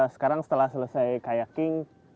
sekarang setelah selesai kayaking kita akan mengeksplor